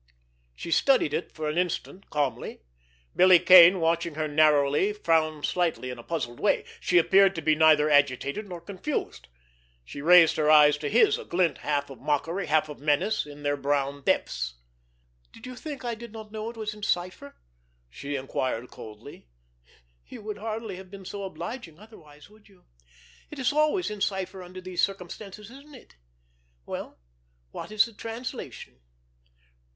She studied it for an instant calmly. Billy Kane, watching her narrowly, frowned slightly in a puzzled way. She appeared to be neither agitated nor confused. She raised her eyes to his, a glint half of mockery, half of menace, in their brown depths. "Did you think I did not know it was in cipher?" she inquired coldly. "You would hardly have been so obliging otherwise, would you? It is always in cipher under these circumstances, isn't it? Well, what is the translation?"